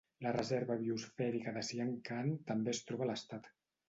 La reserva biosfèrica de Sian Ka'an també es troba a l'estat.